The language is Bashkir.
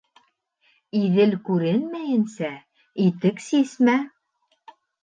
Иҙел күренмәйенсә итек сисмә.